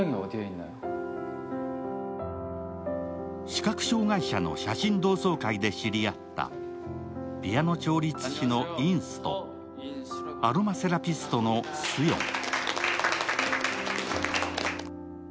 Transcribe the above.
視覚障害者の写真同窓会で知り合ったピアノ調律師のインスとアロマセラピストのスヨン。